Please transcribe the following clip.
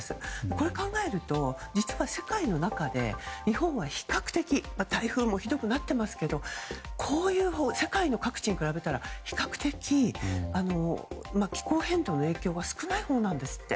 これを考えると実は、世界の中で日本は比較的台風もひどくなってますけどこういう世界の各地に比べたら比較的、気候変動の影響が少ないほうなんですって。